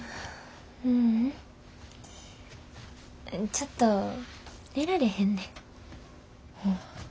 ちょっと寝られへんねん。